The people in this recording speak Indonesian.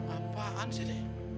apaan sih ini